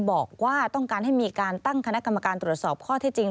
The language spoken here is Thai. บอกว่าต้องการให้มีการตั้งคณะกรรมการตรวจสอบข้อที่จริง